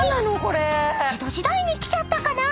［江戸時代に来ちゃったかな］